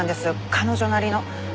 彼女なりの。